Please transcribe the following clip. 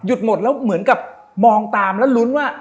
หมดแล้วเหมือนกับมองตามแล้วลุ้นว่า